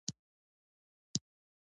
په افغانستان کې د هوا منابع شته.